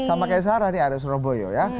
sama kayak sarah nih ada surabaya ya